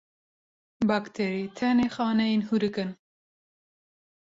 Bakterî tenê xaneyên hûrik in.